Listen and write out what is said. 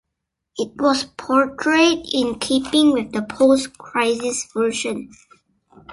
It was portrayed in keeping with the post-Crisis version.